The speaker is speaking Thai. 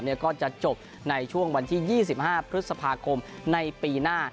ก็จะจบในช่วงวันที่๒๕พฤษภาคมในปีหน้า